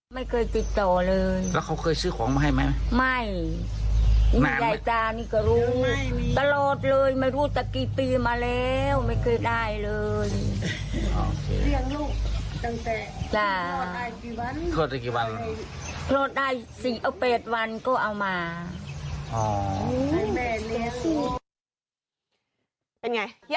ไม่เคยติดต่อเลยแล้วเขาเคยซื้อของมาให้ไหมไม่แม่ยายตานี่ก็รู้ตลอดเลยไม่รู้จะกี่ปีมาแล้วไม่เคยได้เลย